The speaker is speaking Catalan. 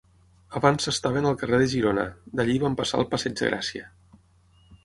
Abans s'estaven al carrer de Girona: d'allí van passar al Passeig de Gràcia.